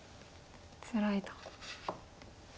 つらいと。